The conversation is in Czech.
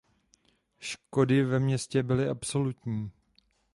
Škody ve městě byly absolutní.